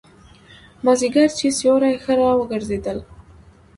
مازیګر چې سیوري ښه را وګرځېدل.